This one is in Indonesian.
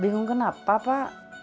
bingung kenapa pak